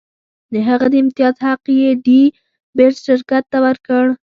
د هغه د امتیاز حق یې ډي بیرز شرکت ته ورکړ.